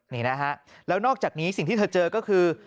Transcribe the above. นี่นะฮะแล้วนอกจากนี้สิ่งที่เธอเจอก็คือ